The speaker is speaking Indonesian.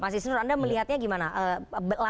mas isnur anda melihatnya gimana